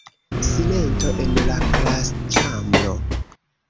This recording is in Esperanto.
Silento en la klasĉambro.